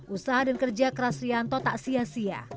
usaha dan kerja keras rianto tak sia sia